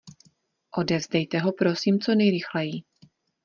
Odevzdejte ho prosím co nejrychleji.